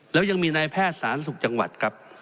แล้วยังมีนายแพทย์สาธารณสุขจังหวัดครับ